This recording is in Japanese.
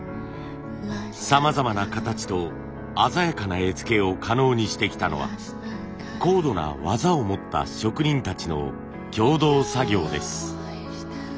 さまざまな形と鮮やかな絵付けを可能にしてきたのは高度な技を持った職人たちの共同作業です。